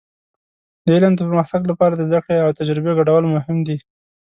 د علم د پرمختګ لپاره د زده کړې او تجربې ګډول مهم دي.